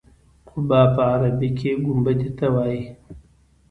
قبه په عربي کې ګنبدې ته وایي.